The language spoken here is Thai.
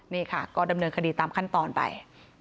นี่ค่ะก็ดำเนินคดีตามขั้นตอนไป